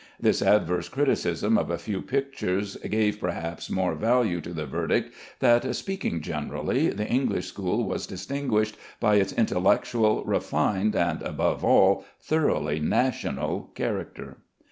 This adverse criticism of a few pictures gave perhaps more value to the verdict that, speaking generally, the English school was distinguished by its intellectual, refined, and, above all, thoroughly national character.